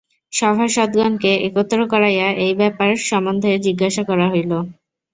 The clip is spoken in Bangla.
সভাসদগণকে একত্র করাইয়া এই ব্যাপার সম্বন্ধে জিজ্ঞাসা করা হইল।